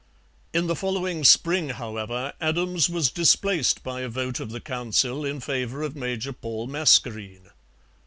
In the following spring, however, Adams was displaced by a vote of the Council in favour of Major Paul Mascarene.